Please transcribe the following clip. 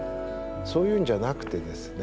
そういうんじゃなくてですね